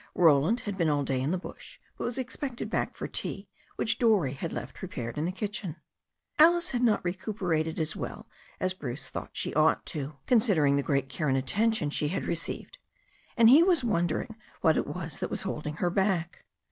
Roland had been all day in the bush, but was expected back for tea, which Dorrie had left prepared in the kitchen. Alice had not recuperated as well as Bruce thought she ought to, considering the great care and attention she had received, and he wondered what it was that was holding her back.